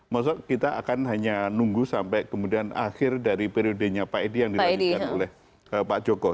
maksudnya kita akan hanya nunggu sampai kemudian akhir dari periodenya pak edi yang dilanjutkan oleh pak joko